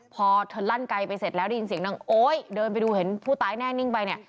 พอเธอลั่นไกลไปเสร็จแล้วได้ยินเสียงนางโอ๊ยเดินไปดูเห็นผู้ตายแน่นิ่งไปเนี่ย